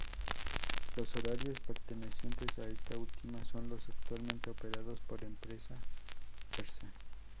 Los horarios pertenecientes a esta última son los actualmente operados por "Empresa Ersa".